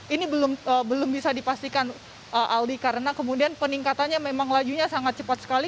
ini belum bisa dipastikan aldi karena kemudian peningkatannya memang lajunya sangat cepat sekali